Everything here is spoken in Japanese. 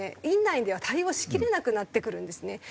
院内では対応しきれなくなってくるんですね。